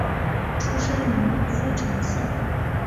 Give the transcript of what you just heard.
出身于茨城县。